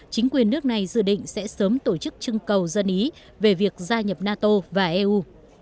chính quyền nước này dự định sẽ sớm tổ chức trưng cầu dân ý về việc gia nhập nato và eu